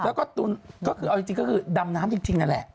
แล้วก็ก็คือเอาจริงก็คือดำน้ำจริงนั่นแหละ